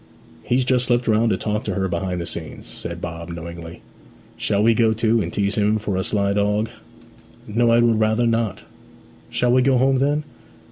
'He's just slipped round to talk to her behind the scenes,' said Bob knowingly. 'Shall we go too, and tease him for a sly dog?' 'No, I would rather not.' 'Shall we go home, then?'